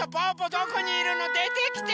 どこにいるの？でてきて！